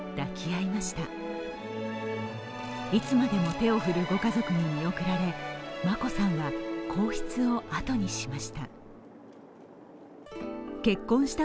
いつまでも手を振るご家族に見送られ眞子さんは皇室を後にしました。